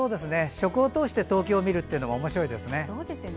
食を通して東京を見るのもおもしろいですね。